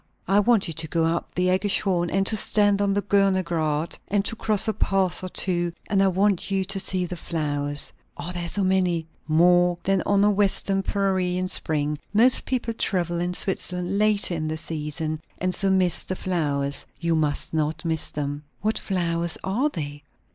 I want you to go up the AEggischhorn, and to stand on the Görner Grät, and to cross a pass or two; and I want you to see the flowers." "Are there so many?" "More than on a western prairie in spring. Most people travel in Switzerland later in the season, and so miss the flowers. You must not miss them." "What flowers are they?"